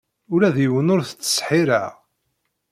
Ula d yiwen ur t-ttseḥḥireɣ.